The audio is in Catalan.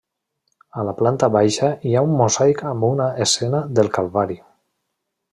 A la planta baixa hi ha un mosaic amb una escena del Calvari.